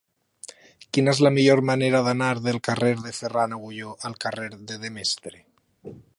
Quina és la millor manera d'anar del carrer de Ferran Agulló al carrer de Demestre?